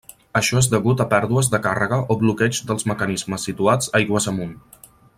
Això és degut a pèrdues de càrrega o bloqueig dels mecanismes situats aigües amunt.